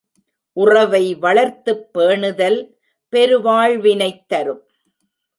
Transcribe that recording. உறவை வளர்த்துப் பேணுதல் பெருவாழ் வினைத் தரும்.